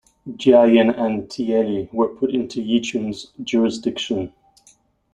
Jiayin and Tieli were put into Yichun's jurisdiction.